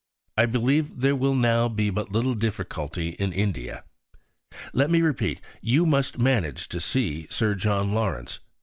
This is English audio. I believe there will now be but little difficulty in India.... Let me repeat you must manage to see Sir John Lawrence.